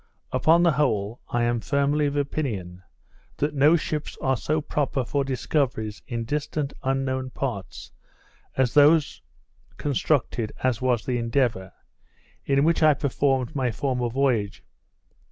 Upon the whole, I am firmly of opinion, that no ships are so proper for discoveries in distant unknown parts, as those constructed as was the Endeavour, in which I performed my former voyage.